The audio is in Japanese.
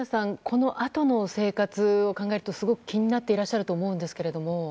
このあとの生活を考えるとすごく気になっていらっしゃると思いますが。